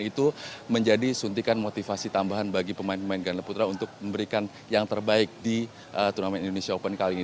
dan itu menjadi suntikan motivasi tambahan bagi pemain pemain ganda putra untuk memberikan yang terbaik di turnamen indonesia open kali ini